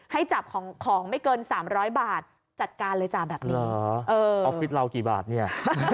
ให้จับของของไม่เกิน๓๐๐บาทจัดการเลยจ้ะแบบนี้ออฟฟิศเรากี่บาทเนี่ย